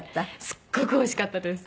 すっごくおいしかったです。